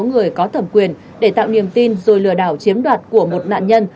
người có thẩm quyền để tạo niềm tin rồi lừa đảo chiếm đoạt của một nạn nhân